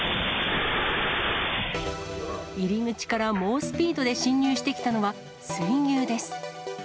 入り口から猛スピードで進入してきたのは水牛です。